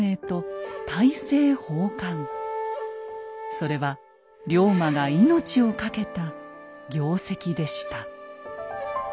それは龍馬が命を懸けた業績でした。